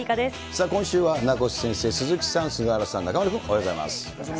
さあ、今週は名越先生、鈴木さん、菅原さん、中丸君、おはようございます。